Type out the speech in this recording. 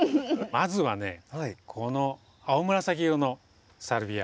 まずはねこの青紫色のサルビア。